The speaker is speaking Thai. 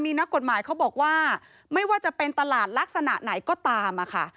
มีนักกฎหมายเขาบอกว่าไม่ว่าจะเป็นตลาดลักษณะไหนก็ตามอะค่ะ